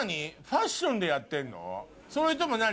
ファッションでやってんのね？